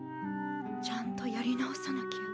ちゃんとやり直さなきゃ。